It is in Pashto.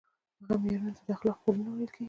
دغو معیارونو ته د اخلاقو کودونه ویل کیږي.